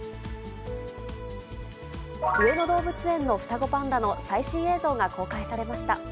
上野動物園の双子パンダの最新映像が公開されました。